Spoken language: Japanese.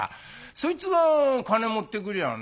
そいつが金持ってくりゃあね